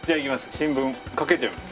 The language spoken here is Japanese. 新聞かけちゃいます。